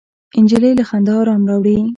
نجلۍ له خندا ارام راوړي.